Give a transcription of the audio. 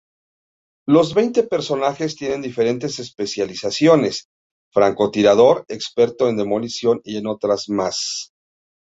Los veinte personajes tienen diferentes especializaciones: francotirador, experto en demolición y en otras más.